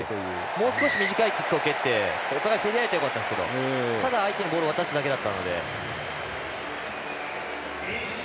もう少し短いキックを蹴ってお互い競り合えたらよかったんですけどただ、相手にボールを渡しただけだったので。